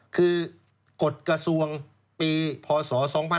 คือกฎกระทรวงปีพศ๒๕๖๒